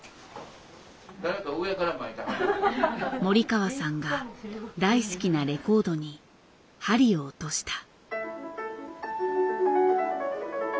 森川さんが大好きなレコードに針を落とした。